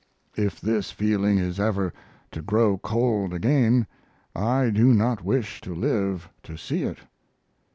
If this feeling is ever to grow cold again I do not wish to live to see it.